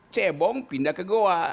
cebong pindah ke goa